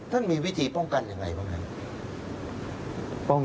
มีวิธีป้องกันอย่างไรบ้างครับ